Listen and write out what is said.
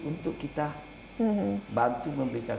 untuk kita bantu